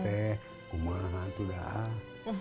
aku mah itu dah